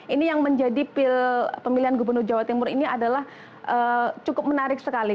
ini yang menjadi pil pemilihan gubernur jawa timur ini adalah cukup menarik sekali